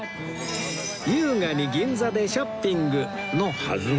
優雅に銀座でショッピングのはずが